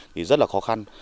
thì rất là khó khăn